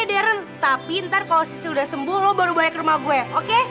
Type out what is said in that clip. oke darren tapi ntar kalau sisil udah sembuh lo baru balik ke rumah gue oke